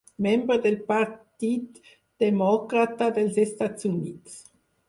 Membre del Partit Demòcrata dels Estats Units.